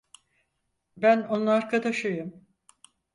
Ben onun arkadaşıyım.